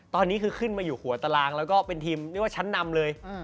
ตอนนี้คือขึ้นมาอยู่หัวตารางแล้วก็เป็นทีมเรียกว่าชั้นนำเลย